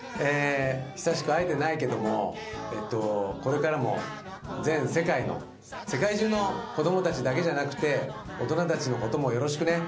久しく会えてないけどもこれからも全世界の世界中の子供たちだけじゃなくて大人たちのこともよろしくね。